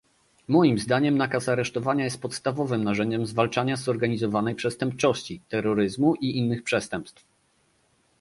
Moim zdaniem nakaz aresztowania jest podstawowym narzędziem zwalczania zorganizowanej przestępczości, terroryzmu i innych przestępstw